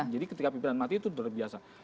jadi ketika pimpinan mati itu sudah biasa